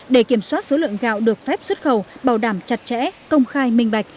để kiểm soát số lượng gạo được phép xuất khẩu bảo đảm chặt chẽ công khai minh bạch